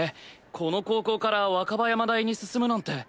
この高校から若葉山大に進むなんて。